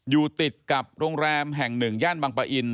อยู่ติดกับโรงแรมแห่งหนึ่งย่านบางปะอิน